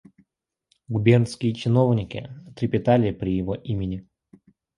Губернские чиновники трепетали при его имени.